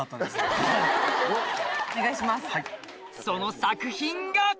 その作品が！